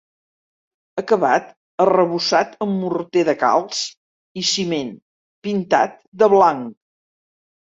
Acabat arrebossat amb morter de calç i ciment pintat de blanc.